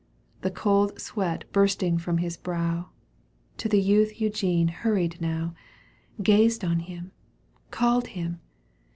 The cold sweat bursting бют his brow, To the youth Eugene hurried now — Gazed on him, caHed him.